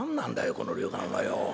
この旅館はよ。